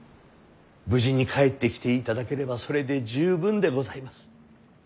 無事に帰ってきていただければそれで十分でございます。